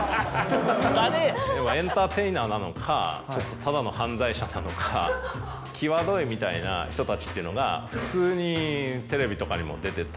要はエンターテイナーなのかちょっとただの犯罪者なのか際どいみたいな人たちっていうのが普通にテレビとかにも出てた。